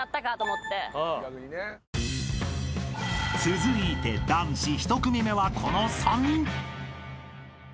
［続いて男子一組目はこの３人］